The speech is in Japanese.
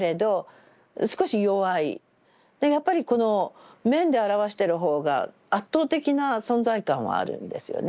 やっぱりこの面で表してるほうが圧倒的な存在感はあるんですよね。